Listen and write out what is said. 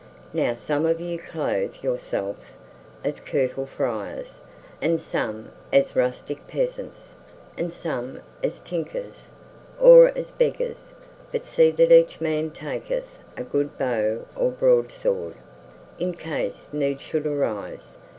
Now some of you clothe yourselves as curtal friars, and some as rustic peasants, and some as tinkers, or as beggars, but see that each man taketh a good bow or broadsword, in case need should arise.